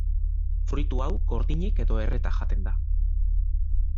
Fruitu hau gordinik edo erreta jaten da.